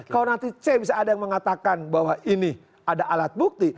kalau nanti c bisa ada yang mengatakan bahwa ini ada alat bukti